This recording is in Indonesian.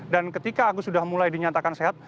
dan ketika agus sudah mulai dinyatakan sehat